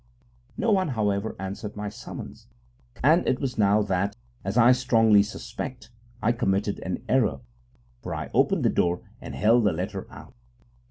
No one, however, answered my summons, and it was now that, as I strongly suspect, I committed an error: for I opened the door and held the letter out.